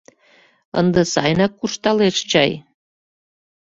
Ынде сайынак куржталеш чай?